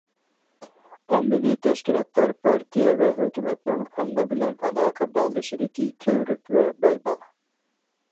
ئاممىۋى تەشكىلاتلار پارتىيە ۋە ھۆكۈمەتنىڭ ئامما بىلەن ئالاقە باغلىشىدىكى كۆۋرۈك ۋە بەلباغ.